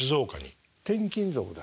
転勤族だ？